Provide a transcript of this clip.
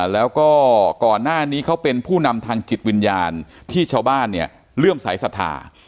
แล้วก็ก่อนหน้านี้เขาเป็นผู้นำทางจิตวิญญาณที่ชาวบ้านเนี่ยเลื่อมสายศรัทธา